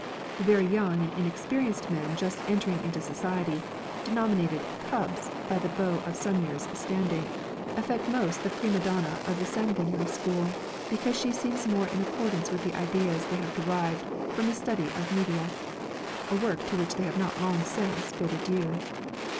The very young and inexperienced men just entering into society, denominated "cubs" by the beaux of some years standing, affect most the prima donna of the sanguinary school, because she seems more in accordance with the ideas they have derived from the study of Medea, a work to which they have not long since bid adieu.